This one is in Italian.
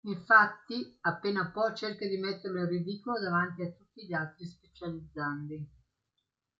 Infatti, appena può, cerca di metterlo in ridicolo davanti a tutti gli altri specializzandi.